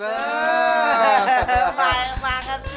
wah mahal banget sih